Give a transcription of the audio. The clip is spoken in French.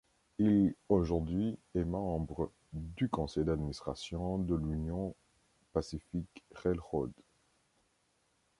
Il aujourd'hui est membre du conseil d'administration de l'Union Pacific Railroad.